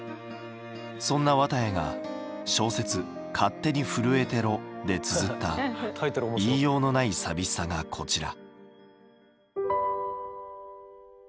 そんな綿矢が小説「勝手にふるえてろ」でつづった言いようのない寂しさがこちら。